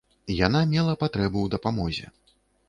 Яна мела патрэбу ў дапамозе.